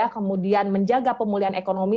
kemudian menjaga pemulihan ekonomi